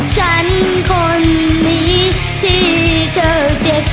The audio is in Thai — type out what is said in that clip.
ฉันคนนี้ที่เธอเจ็บ